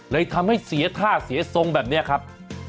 เลยทำให้เสียท่าเสียทรงแบบนี้ครับ